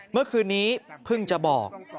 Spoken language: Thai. เมื่อคืนนี้เพิ่งจะบอก